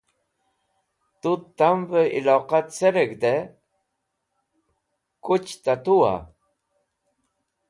Tut tamvẽ iyloq ce reg̃hdẽ kuch ta tuwa?